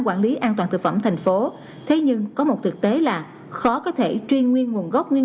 quản lý an toàn thực phẩm thành phố thế nhưng có một thực tế là khó có thể truy nguyên nguồn gốc nguyên